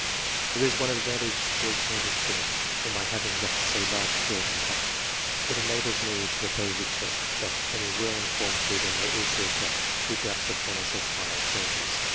There is one advantage to a candid critic in my having left so large a field untouched ; it enables me to propose a test that any well informed reader may easily adopt who doubts the fairness of my examples.